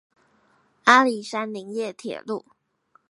阿里山林業鐵路